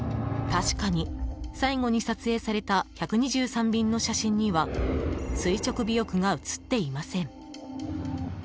確かに、最後に撮影された１２３便の写真には垂直尾翼が写っていません。